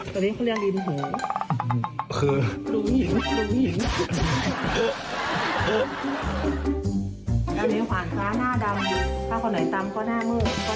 ตอนนี้เขาเรียกลินหรอคือตรงหญิงตรงหญิง